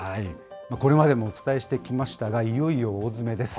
これまでもお伝えしてきましたが、いよいよ大詰めです。